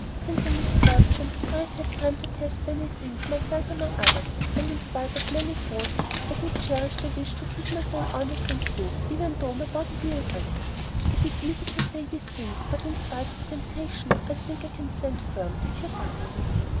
Since my misfortune I've had time to test many things, myself among others, and in spite of many faults, I do cherish the wish to keep my soul honest and true, even though my body be a wreck. It is easy to say these things, but in spite of temptation, I think I can stand firm, if you trust me."